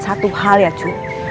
satu hal ya cu